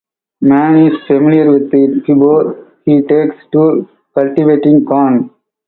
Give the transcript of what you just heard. Man is familiar with it before he takes to cultivating corn.